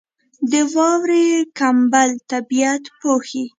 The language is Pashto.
• د واورې کمبل طبیعت پوښي.